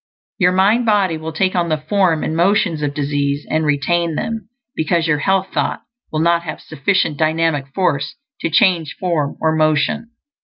Your mind body will take on the form and motions of disease and retain them, because your health thought will not have sufficient dynamic force to change form or motion.